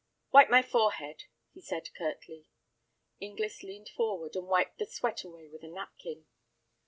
"Wipe my forehead," he said, curtly. Inglis leaned forward, and wiped the sweat away with a napkin.